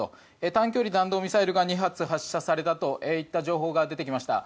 短距離弾道ミサイルが２発発射されたといった情報が出てきました。